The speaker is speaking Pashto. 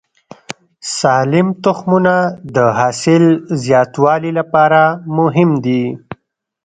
سالم تخمونه د حاصل زیاتوالي لپاره مهم دي.